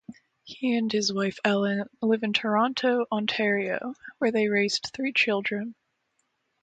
He and his wife Ellen live in Toronto, Ontario, where they raised three children.